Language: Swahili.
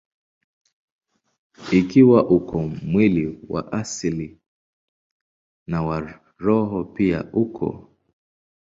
Ikiwa uko mwili wa asili, na wa roho pia uko.